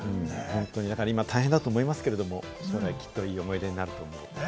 今大変だと思いますけれども、それがきっといい思い出になると思います。